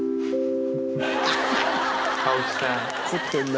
青木さん。